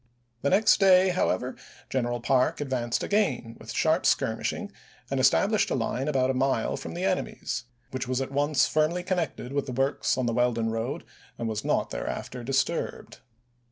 The next day, however, General Parke advanced again, with sharp skirmishing, and established a line about a mile from the enemy's, which was at once GENERAL JOHN G. PARKE. PETERSBURG 433 firmly connected with the works on the Weldon ch. xviii. road and was not thereafter disturbed.